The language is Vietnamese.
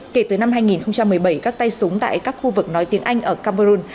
kể từ năm hai nghìn một mươi bảy các tay súng tại các khu vực nói tiếng anh ở cameroon